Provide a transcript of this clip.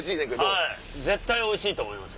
はい絶対おいしいと思います。